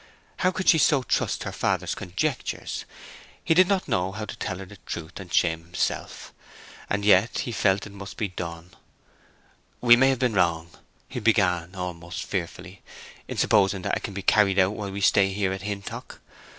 How could she so trust her father's conjectures? He did not know how to tell her the truth and shame himself. And yet he felt that it must be done. "We may have been wrong," he began, almost fearfully, "in supposing that it can all be carried out while we stay here at Hintock.